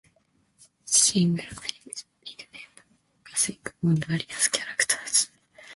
Single page vignettes focusing on various characters.